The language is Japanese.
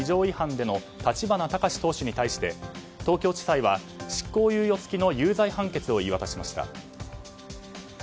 違反での立花孝志党首に対して東京地裁は執行猶予付きの有罪判決を言い渡しました。